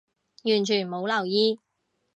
完全冇留意